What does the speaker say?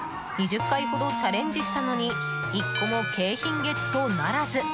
２０回ほどチャレンジしたのに１個も景品ゲットならず。